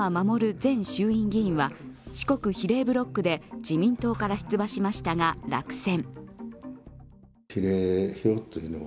前衆院議員は、四国比例ブロックで自民党から出馬しましたが、落選。